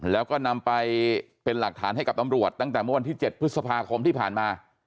แล้วก็นำไปเป็นหลักฐานให้กับตำรวจตั้งแต่เมื่อวันที่๗พฤษภาคมที่ผ่านมา